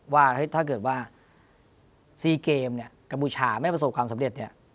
ว่าถ้าเกิดว่าซีเกมกาบูชาไม่ประสบความสำเร็จ